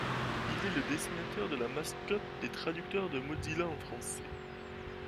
Il est le dessinateur de la mascotte des traducteurs de Mozilla en français.